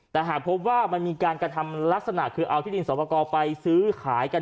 แต่หากพบว่ามันมีการกระทำลักษณะคือเอาที่ดินสอบประกอบไปซื้อขายกัน